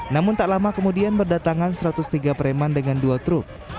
namun tak lama kemudian berdatangan satu ratus tiga preman dengan dua truk